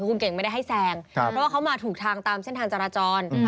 คุณเก่งไม่ได้ให้แซงเพราะว่าเขามาถูกทางตามเส้นทางจราจร